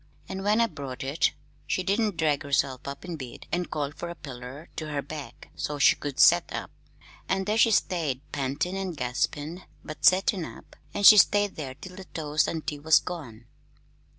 An' when I brought it, if she didn't drag herself up in bed an' call fer a piller to her back, so's she could set up. An' there she stayed, pantin' an' gaspin', but settin' up an' she stayed there till the toast an' tea was gone."